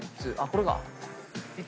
これか！